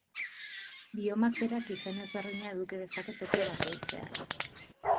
Bioma berak izen ezberdina eduki dezake toki bakoitzean.